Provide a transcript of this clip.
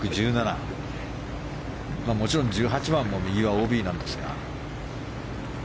もちろん１８番も右はＯＢなんですが。